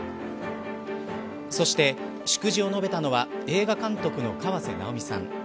そして、祝辞を述べたのは映画監督の河瀬直美さん。